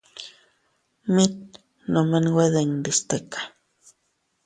Mit nome nwe dindi stika.